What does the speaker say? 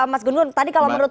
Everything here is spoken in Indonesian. mas gunun tadi kalau menurut